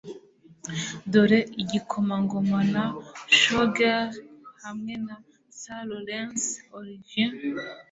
dore Igikomangoma na Showgirl, hamwe na Sir Laurence Olivier